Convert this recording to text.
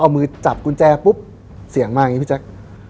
เอามือจับกุญแจปุ๊บเสียงมาอย่างนี้พี่แจ๊ค